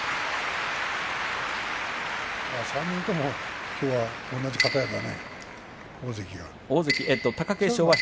３人ともきょうは同じ方屋だね大関が。